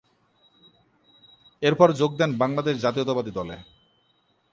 এর পর যোগ দেন বাংলাদেশ জাতীয়তাবাদী দলে।